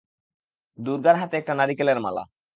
দুর্গার হাতে একটা নারিকেলের মালা।